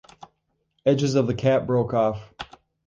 The edges of the cap broke off.